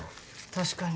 確かに。